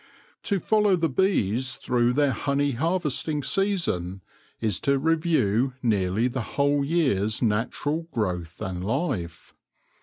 To follow the bees through their honey harvesting season is to review nearly the whole year's natural growth and life.